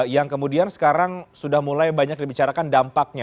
yang kemudian sekarang sudah mulai banyak dibicarakan dampaknya